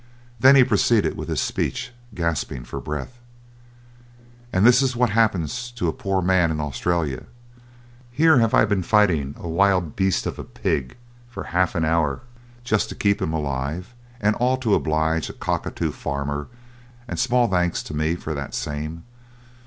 Then he proceeded with his speech, gasping for breath: "And this is what happens to a poor man in Australia! Here have I been fighting a wild beast of a pig for half an hour, just to keep him alive, and all to oblige a cockatoo farmer, and small thanks to me for that same.